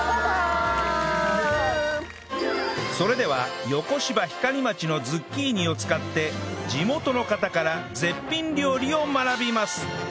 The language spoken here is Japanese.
それでは横芝光町のズッキーニを使って地元の方から絶品料理を学びます！